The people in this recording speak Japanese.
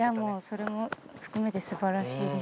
それも含めてすばらしいです